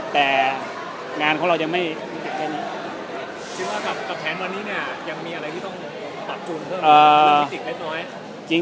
แต่งานของเรายังไม่แค่นี้